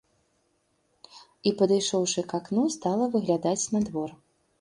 І, падышоўшы к акну, стала выглядаць на двор.